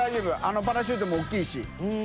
臂翩パラシュートも大きいし。